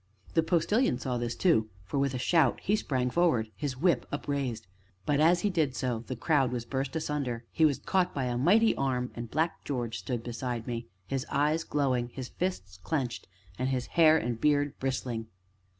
The Postilion saw this too, for, with a shout, he sprang forward, his whip upraised. But, as he did so; the crowd was burst asunder, he was caught by a mighty arm, and Black George stood beside me, his eyes glowing, his fists clenched, and his hair and beard bristling.